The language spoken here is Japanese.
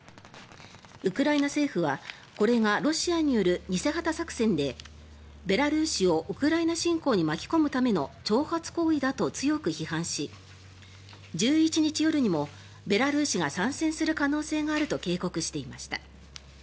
ウクライナ政府はこれがロシアによる偽旗作戦でベラルーシをウクライナ侵攻に巻き込むための挑発行為だと強く批判し１１日夜にもベラルーシが賛成する可能性があると警告していました。